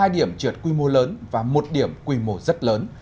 hai điểm trượt quy mô lớn và một điểm quy mô rất lớn